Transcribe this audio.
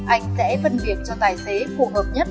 anh sẽ phân biệt cho tài xế phù hợp nhất